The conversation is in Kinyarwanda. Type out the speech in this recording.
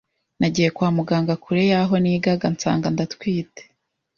Nagiye kwa muganga kure y’aho nigaga ,nsanga ndatwite.